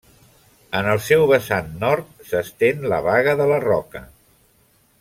En el seu vessant nord s'estén la Baga de la Roca.